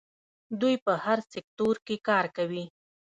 دوی په هر سکتور کې کار کوي.